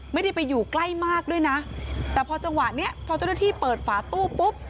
ไม่ได้ไปอยู่ใกล้มากด้วยนะแต่พอจังหวะเนี้ยพอเจ้าหน้าที่เปิดฝาตู้ปุ๊บ